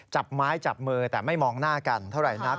จับไม้จับมือแต่ไม่มองหน้ากันเท่าไหร่นัก